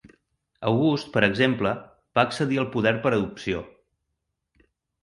August, per exemple, va accedir al poder per adopció.